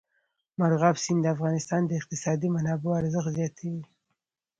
مورغاب سیند د افغانستان د اقتصادي منابعو ارزښت زیاتوي.